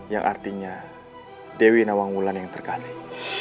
yang artinya dewi nawang wulan yang terkasih